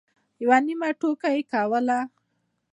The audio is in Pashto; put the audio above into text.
یوه نیمه ټوکه کوله.